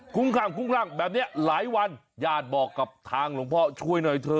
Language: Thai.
ข้างคุ้มร่างแบบนี้หลายวันญาติบอกกับทางหลวงพ่อช่วยหน่อยเถอะ